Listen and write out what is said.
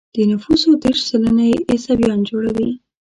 د نفوسو دېرش سلنه يې عیسویان جوړوي.